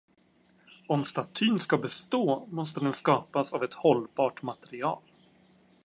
Om statyn ska bestå måste den skapas av ett hållbart material.